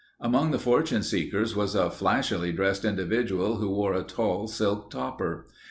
Among the fortune seekers was a flashily dressed individual who wore a tall silk topper.